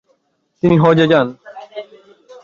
তিনি হজ্বে যান।